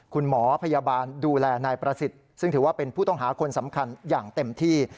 คุณหมอพยาบาลดูแลนายประสิทธิ์ซึ่งถือว่าเป็นผู้ต้องหาคนสำคัญอย่างเต็มที่